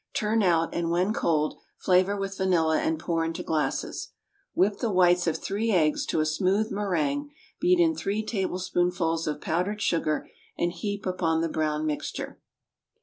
Turn out, and when cold, flavor with vanilla and put into glasses. Whip the whites of three eggs to a smooth méringue, beat in three tablespoonfuls of powdered sugar, and heap upon the brown mixture.